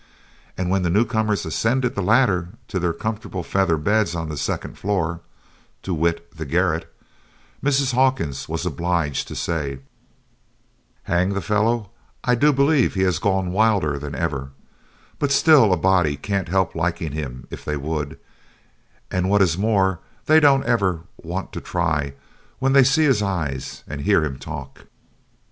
And when the new comers ascended the ladder to their comfortable feather beds on the second floor to wit the garret Mrs. Hawkins was obliged to say: "Hang the fellow, I do believe he has gone wilder than ever, but still a body can't help liking him if they would and what is more, they don't ever want to try when they see his eyes and hear him talk."